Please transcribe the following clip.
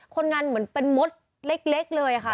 คนงานเหมือนเป็นมดเล็กเลยค่ะ